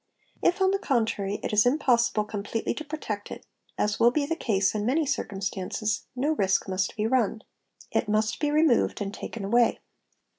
If on the contrary ~ it is impossible completely to protect it, as will be the case in many circumstances, no risk must be run; it must be removed and taken away.